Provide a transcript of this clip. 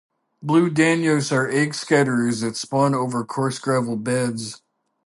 Blue danios are egg-scatterers that spawn over coarse gravel beds.